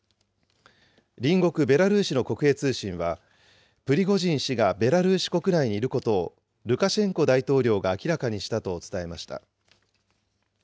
隣国ベラルーシの国営通信は、プリゴジン氏がベラルーシ国内にいることを、ルカシェンコ大統領が明らかにしたと伝えました。